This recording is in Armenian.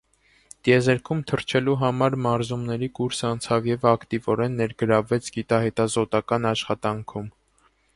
Տիեզերք թռչելու համար մարզումների կուրս անցավ և ակտիվորեն ներգրավվեց գիտահետազոտական աշխատանքում։